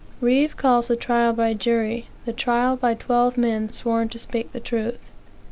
Reeve calls the trial by jury "the trial by twelve men sworn to speak the truth."